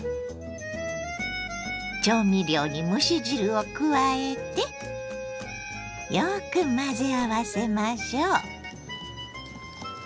調味料に蒸し汁を加えてよく混ぜ合わせましょう。